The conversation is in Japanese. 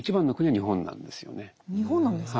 日本なんですか？